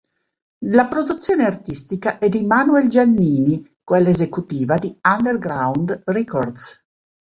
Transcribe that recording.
La produzione artistica è di Manuel Giannini, quella esecutiva di Underground Records.